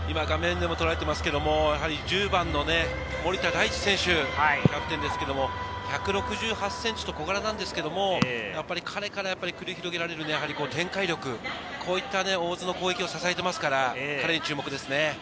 画面でもとらえていますが、１０番の森田大智選手、キャプテンですが、１６８ｃｍと小柄なんですが、彼から繰り広げられる展開力、こういった大津の攻撃を支えていますから、彼に注目です。